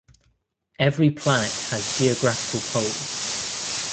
Every planet has geographical poles.